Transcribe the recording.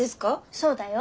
そうだよ。